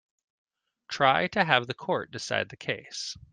Try to have the court decide the case.